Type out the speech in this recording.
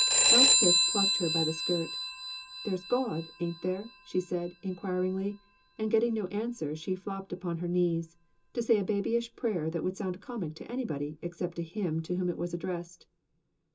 Elspeth plucked her by the skirt. "There's God, ain't there?" she said, inquiringly, and getting no answer she flopped upon her knees, to say a babyish prayer that would sound comic to anybody except to Him to whom it was addressed.